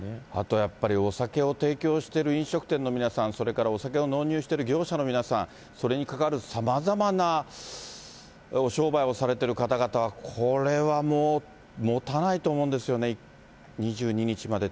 やっぱり、お酒を提供してる飲食店の皆さん、それからお酒を納入している業者の皆さん、それに関わるさまざまなお商売をされている方々は、これはもう、もたないと思うんですよね。